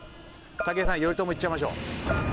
武井さん頼朝行っちゃいましょう。